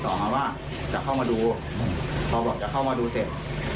ขออยู่ว่าเจ้ากินก็มาโดน